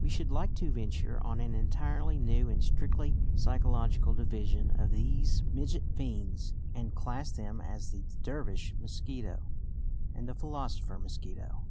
We should like to venture on an entirely new and strictly psychological division of these midget fiends, and class them as "the Dervish mosquito" and "the philosopher mosquito."